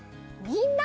「みんな」。